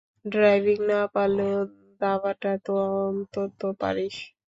Driving না পারলেও দাবাটা তো অন্তত পারিস।